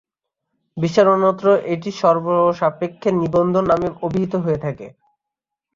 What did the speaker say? বিশ্বের অন্যত্র এটি "শর্তসাপেক্ষে নিবন্ধন" নামে অভিহিত হয়ে থাকে।